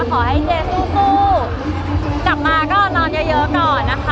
ขอให้เจ๊สู้กลับมาก็นอนเยอะเยอะก่อนนะคะ